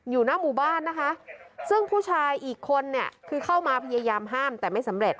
อยู่หน้าหมู่บ้านนะคะซึ่งผู้ชายอีกคนเนี่ยคือเข้ามาพยายามห้ามแต่ไม่สำเร็จ